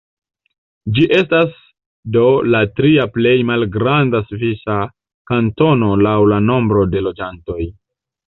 Ĝi estas do la tria plej malgranda svisa kantono laŭ la nombro de loĝantoj.